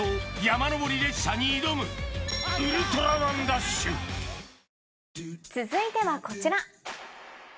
山登り列車に挑む続いてはこちら。